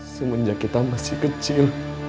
semenjak kita masih kecil